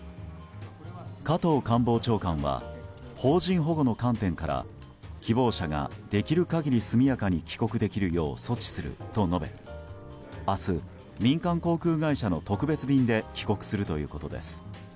加藤官房長官は邦人保護の観点から希望者ができる限り速やかに帰国できるよう措置すると述べ明日、民間航空会社の特別便で帰国するということです。